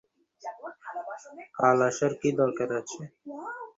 কাল আসার কি দরকার আছে?